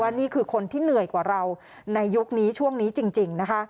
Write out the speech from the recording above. นี่คือคนที่เหนื่อยกว่าเราในยุคนี้ช่วงนี้จริงนะคะ